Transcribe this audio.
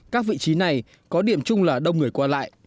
các vị trí này có điểm chung là đông người qua lại